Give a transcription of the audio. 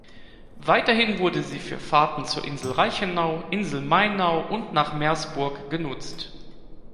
Weiterhin wurde sie für Fahrten zur Insel Reichenau, Insel Mainau und nach Meersburg genutzt.